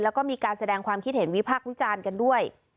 แล้วก็มีการแสดงความคิดเห็นวิพากษ์วิจารณ์กันด้วย